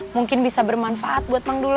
mungkin bisa bermanfaat buat bang dulo